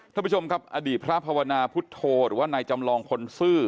ท่านผู้ชมครับอดีตพระภาวนาพุทธโธหรือว่านายจำลองคนซื่อ